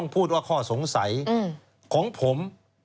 พูดว่าข้อสงสัยของผม